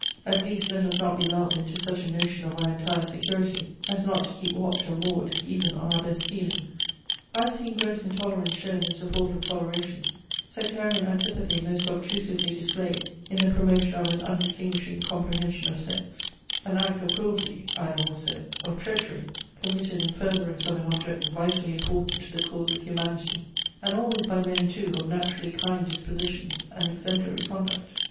At least let us not be lulled into such a notion of our entire security, as not to keep watch and ward, even on our best feelings. I have seen gross intolerance shown in support of toleration; sectarian antipathy most obtrusively displayed in the promotion of an undistinguishing comprehension of sects: and acts of cruelty, (I had almost said,) of treachery, committed in furtherance of an object vitally important to the cause of humanity; and all this by men too of naturally kind dispositions and exemplary conduct.